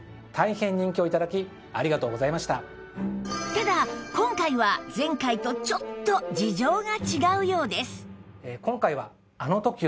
ただ今回は前回とちょっと事情が違うようです